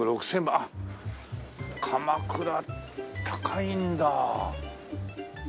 あっ鎌倉高いんだ。